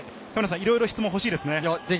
いろいろ質問がほしいですね。